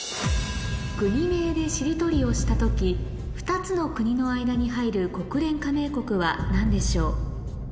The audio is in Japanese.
国名でしりとりをした時２つの国の間に入る国連加盟国は何でしょう？